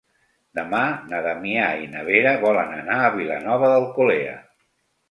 Demà na Damià i na Vera volen anar a Vilanova d'Alcolea.